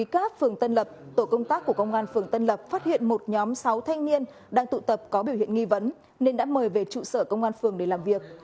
công tác của công an phường tân lập phát hiện một nhóm sáu thanh niên đang tụ tập có biểu hiện nghi vấn nên đã mời về trụ sở công an phường để làm việc